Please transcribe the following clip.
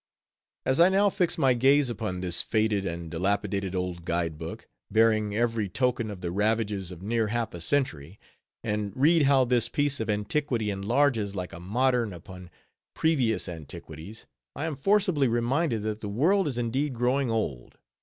_ As I now fix my gaze upon this faded and dilapidated old guide book, bearing every token of the ravages of near half a century, and read how this piece of antiquity enlarges like a modern upon previous antiquities, I am forcibly reminded that the world is indeed growing old.